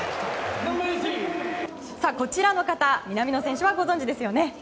こちらの方、南野選手はご存じですよね。